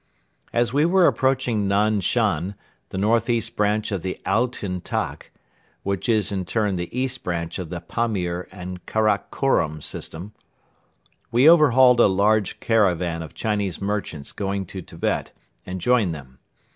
As we were approaching Nan Shan, the northeast branch of the Altyn Tag (which is in turn the east branch of the Pamir and Karakhorum system), we overhauled a large caravan of Chinese merchants going to Tibet and joined them.